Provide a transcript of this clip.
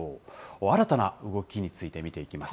新たな動きについて見ていきます。